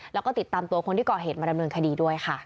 แล้วก็ติดตามตัวคนที่ก่อเหตุมาดำเนินคดีด้วยค่ะ